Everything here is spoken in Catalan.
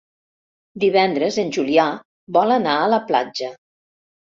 Divendres en Julià vol anar a la platja.